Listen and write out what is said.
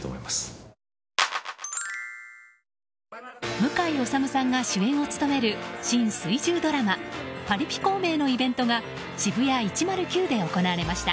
向井理さんが主演を務める新水１０ドラマ「パリピ孔明」のイベントがＳＨＩＢＵＹＡ１０９で行われました。